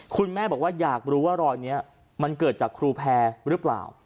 คุณแม่บอกว่าอยากรู้ว่ารอยนี้มันเกิดจากครูแพร่หรือเปล่า